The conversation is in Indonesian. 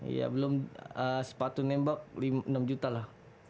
iya belum sepatu nembak rp enam lah